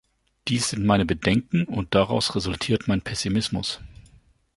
Dies sind meine Bedenken, und daraus resultiert mein Pessimismus.